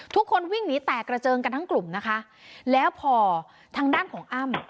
ทุกคนวิ่งหนีแตกกระเจิงกันทั้งกลุ่มนะคะแล้วพอทางด้านของอ้ำ